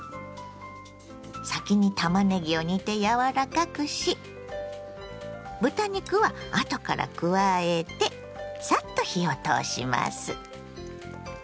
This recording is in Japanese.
先にたまねぎを煮て柔らかくし豚肉は後から加えてサッと火を通します。